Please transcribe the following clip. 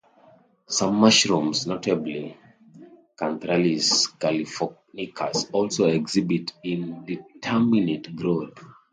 Some mushrooms - notably "Cantharellus californicus" - also exhibit indeterminate growth.